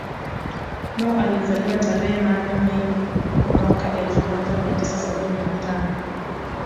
Mo alizaliwa tarehe nane Mei mwaka elfu moja mia tisa sabini na tano